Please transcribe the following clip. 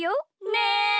ねえ！